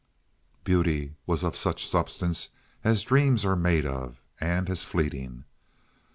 Beauty was of such substance as dreams are made of, and as fleeting.